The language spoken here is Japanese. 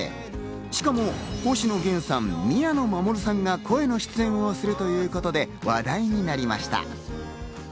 しかも、星野源さん、宮野真守さんが声の出演をするということで話題になりました。